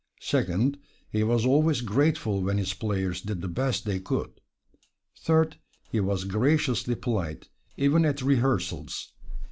Second, he was always grateful when his players did the best they could. Third, he was graciously polite, even at rehearsals.